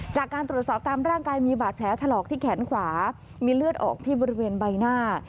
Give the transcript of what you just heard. จากการตรวจสอบตามร่างกายมีบาดแผลถลอกที่แขนขวามีเลือดออกที่บริเวณใบหน้า